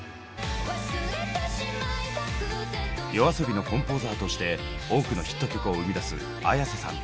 ＹＯＡＳＯＢＩのコンポーザーとして多くのヒット曲を生みだすＡｙａｓｅさん。